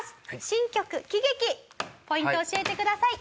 新曲『喜劇』ポイントを教えてください。